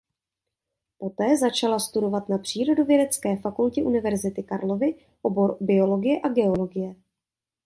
Poté začala studovat na Přírodovědecké fakultě Univerzity Karlovy obor Biologie a geologie.